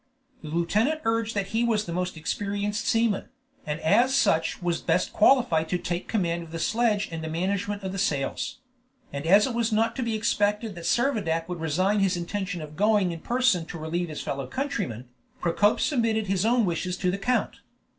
The lieutenant urged that he was the most experienced seaman, and as such was best qualified to take command of the sledge and the management of the sails; and as it was not to be expected that Servadac would resign his intention of going in person to relieve his fellow countryman, Procope submitted his own wishes to the count.